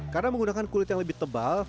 karena menggunakan kulit yang lebih tebal